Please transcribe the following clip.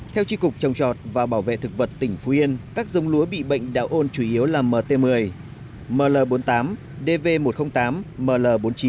theo tri cục trồng trọt và bảo vệ thực vật tỉnh phú yên các giống lúa bị bệnh đạo ôn chủ yếu là mt một mươi ml bốn mươi tám dv một trăm linh tám ml bốn mươi chín